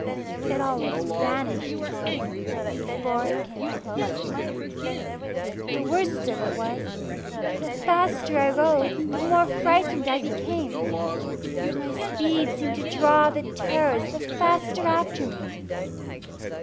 It always vanished, however, before it came close. The worst of it was, that the faster I rode, the more frightened I became; for my speed seemed to draw the terrors the faster after me.